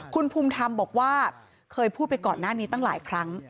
คุณภูมิธรรมบอกว่าเคยพูดไปก่อนหน้านี้ตั้งหลายครั้ง